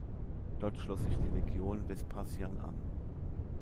Dort schloss sich die Legion Vespasian an.